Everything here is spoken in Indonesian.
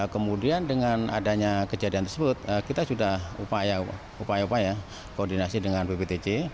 kemudian dengan adanya kejadian tersebut kita sudah upaya upaya koordinasi dengan bptc